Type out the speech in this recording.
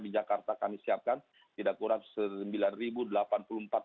di jakarta kami siapkan tidak kurang